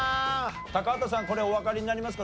高畑さんこれおわかりになりますか？